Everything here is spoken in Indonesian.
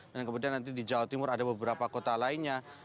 kemudian nanti di jawa timur ada beberapa kota lainnya